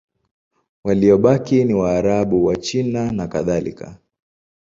Waliobaki ni Waarabu, Wachina nakadhalika.